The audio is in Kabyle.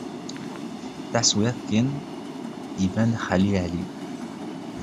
Taswiɛt kan, iban-d Xali Ɛli.